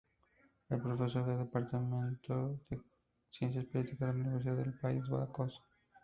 Es profesora del Departamento de Ciencias Políticas en la Universidad del País Vasco.